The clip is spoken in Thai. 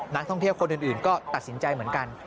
นักท่องเที่ยวคนอื่นก็ตัดสินใจเหมือนกัน